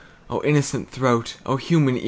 O innocent throat! O human ear!